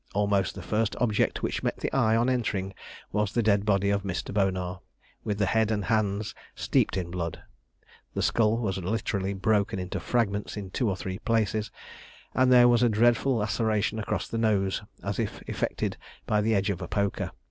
Almost the first object which met the eye on entering was the dead body of Mr. Bonar, with the head and hands steeped in blood: the skull was literally broken into fragments in two or three places; and there was a dreadful laceration across the nose, as if effected by the edge of a poker.